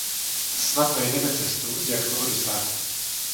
Snad najdeme cestu, jak toho dosáhnout.